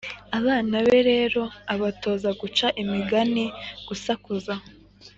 abana be rero abatoza guca imigani, gusakuza,